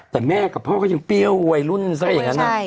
แต่แม่กับพ่อก็ยังเปรี้ยววัยรุ่นซะอย่างนั้น